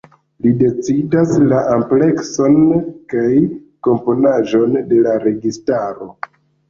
Li decidas la amplekson kaj komponaĵon de la registaro.